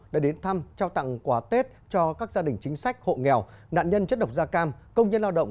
đã đến thăm trao tặng quà tết cho các gia đình chính sách hộ nghèo nạn nhân chất độc da cam công nhân lao động